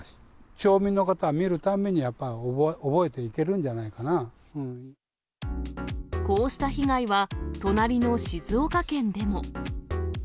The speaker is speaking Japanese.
町民の方は、見るたんびにやっぱこうした被害は隣の静岡県でも。